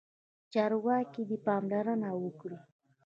چارواکي دې پاملرنه وکړي.